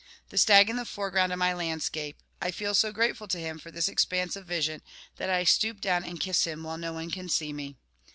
The stag in the foreground of my landscape, I feel so grateful to him for this expanse of vision that I stoop down and kiss him, while no one can see me.